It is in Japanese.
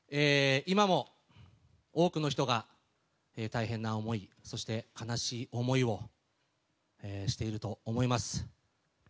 今も多くの人が大変な思いそして悲しい思いをしていると思います。